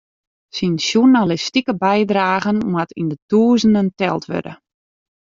Syn sjoernalistike bydragen moat yn de tûzenen teld wurde.